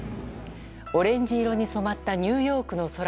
オレンジ色に染まったニューヨークの空。